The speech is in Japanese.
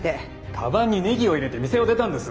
かばんにネギを入れて店を出たんです。